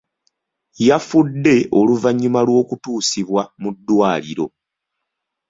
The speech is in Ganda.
Yafudde oluvannyuma lw'okutuusibwa mu ddwaliro.